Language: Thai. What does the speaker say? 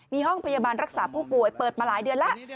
มีห้องพยาบาลรักษาผู้ป่วยเปิดมาหลายเดือนแล้ว